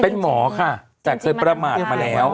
เป็นหมอค่ะแต่เคยประมาทมาแล้ว